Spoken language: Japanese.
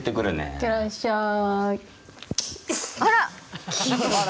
いってらっしゃい。